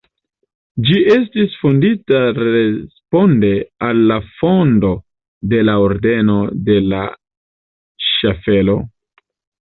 Ĝi estis fondita responde al la fondo de la ordeno de la ŝaffelo.